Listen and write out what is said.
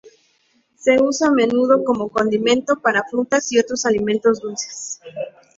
Se usa a menudo como condimento para frutas y otras alimentos dulces.